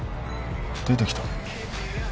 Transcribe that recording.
出てきた。